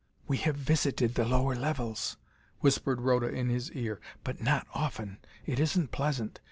"We have visited the lower levels," whispered Rhoda in his ear, "but not often. It isn't pleasant.